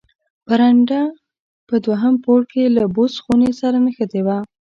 برنډه په دوهم پوړ کې له بوس خونې سره نښته وه.